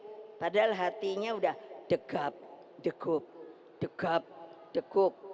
ini ibu padahal hatinya udah degap degup degap degup